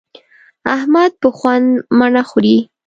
احمد په خوند مڼه خوري.